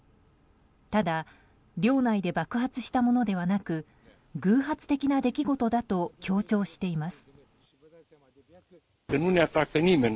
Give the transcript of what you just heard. ただ領内で爆発したものではなく偶発的な出来事だと強調しています。